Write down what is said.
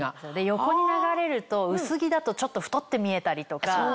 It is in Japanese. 横に流れると薄着だとちょっと太って見えたりとか。